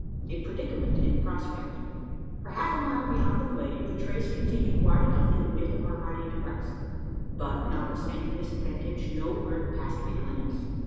A PREDICAMENT IN PROSPECT. For half a mile beyond the glade, the trace continued wide enough to admit of our riding abreast; but, notwithstanding this advantage, no word passed between us.